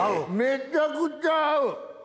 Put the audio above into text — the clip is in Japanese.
めちゃくちゃ合う！